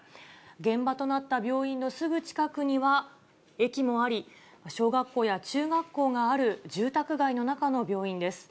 現場となった病院のすぐ近くには、駅もあり、小学校や中学校がある住宅街の中の病院です。